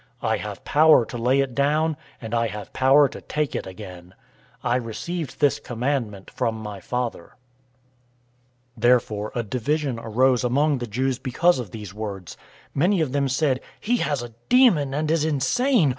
I have power to lay it down, and I have power to take it again. I received this commandment from my Father." 010:019 Therefore a division arose again among the Jews because of these words. 010:020 Many of them said, "He has a demon, and is insane!